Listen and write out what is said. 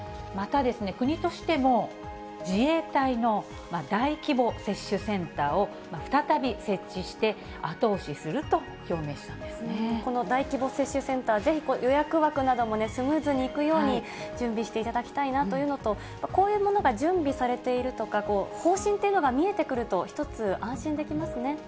また、国としても自衛隊の大規模接種センターを再び設置して、後押しすこの大規模接種センター、ぜひ予約枠などもスムーズにいくように準備していただきたいなというのと、こういうものが準備されているとか、方針っていうのが見えてくると、一つ、安心できますね。